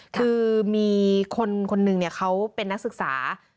คือคนนึงเขาเป็นนักศึกษา